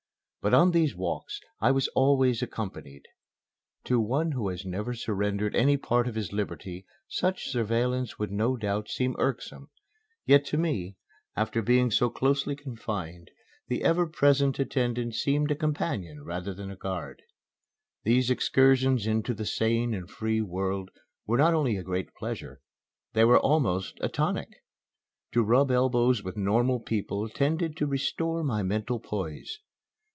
But on these walks I was always accompanied. To one who has never surrendered any part of his liberty such surveillance would no doubt seem irksome; yet, to me, after being so closely confined, the ever present attendant seemed a companion rather than a guard. These excursions into the sane and free world were not only a great pleasure, they were almost a tonic. To rub elbows with normal people tended to restore my mental poise.